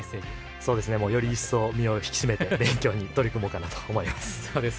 より一層、身を引き締めて勉強に取り組もうかなと思います。